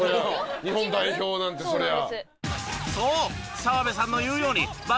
日本代表なんてそりゃあ。